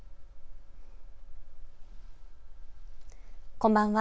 こんばんは。